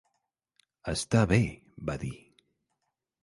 "Està bé", va dir.